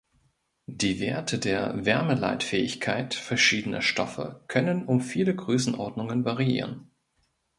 Die Werte der Wärmeleitfähigkeit verschiedener Stoffe können um viele Größenordnungen variieren.